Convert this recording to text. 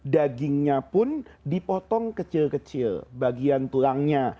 dagingnya pun dipotong kecil kecil bagian tulangnya